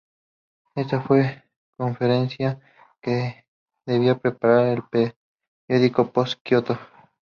Esta fue la conferencia que debía preparar el período post-Kioto.